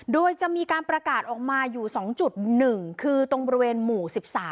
โดยจะมีการประกาศออกมาอยู่สองจุดหนึ่งคือตรงบริเวณหมู่๑๓